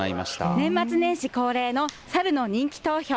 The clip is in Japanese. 年末年始恒例のサルの人気投票。